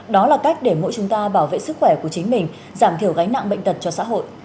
đó là cách để mỗi chúng ta bảo vệ sức khỏe của chính mình giảm thiểu gánh nặng bệnh tật cho xã hội